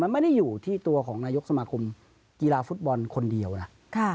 มันไม่ได้อยู่ที่ตัวของนายกสมาคมกีฬาฟุตบอลคนเดียวนะ